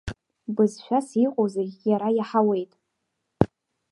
Бызшәас иҟоу зегь иара иаҳауеит.